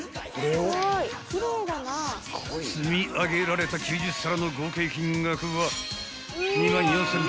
［積み上げられた９０皿の合計金額は］